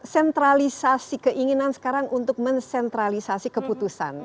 sentralisasi keinginan sekarang untuk mensentralisasi keputusan